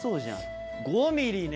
５ｍｍね！